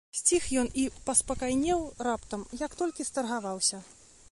Сціх ён і паспакайнеў раптам, як толькі старгаваўся.